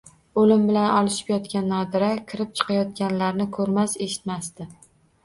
O`lim bilan olishib yotgan Nodira kirib-chiqayotganlarni ko`rmas, eshitmasdi